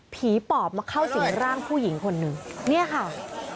ปอบมาเข้าสิงร่างผู้หญิงคนหนึ่งเนี่ยค่ะ